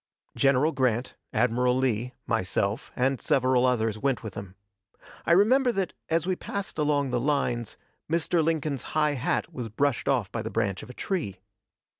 General Grant, Admiral Lee, myself, and several others went with him. I remember that, as we passed along the lines, Mr. Lincoln's high hat was brushed off by the branch of a tree.